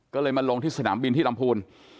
ก็เลยมาลงที่สนามบินที่ลำพูน